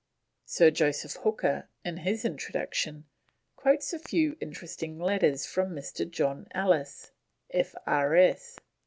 Sir Joseph Hooker, in his introduction, quotes a most interesting letter from Mr. John Ellis, F.R.S.